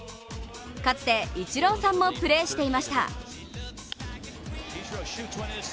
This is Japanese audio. かつてイチローさんもプレーしていました。